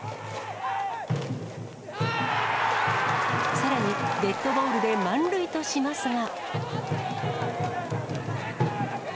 さらに、デッドボールで満塁としますが。